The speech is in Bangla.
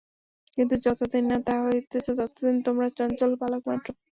কিন্তু যতদিন না তাহা হইতেছে, ততদিন তোমরা চঞ্চল বালকমাত্র।